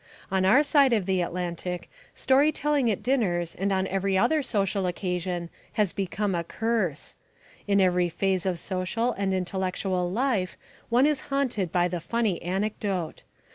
On our side of the Atlantic story telling at dinners and on every other social occasion has become a curse. In every phase of social and intellectual life one is haunted by the funny anecdote.